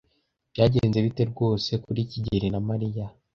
Byagenze bite rwose kuri kigeli na Mariya?